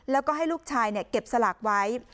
แล้วก็ให้ลูกชายเก็บสลากไว้